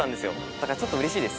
だからちょっとうれしいです。